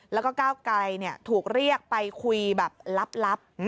แล้วก็ก้าวไกรถูกเรียกไปคุยแบบลับ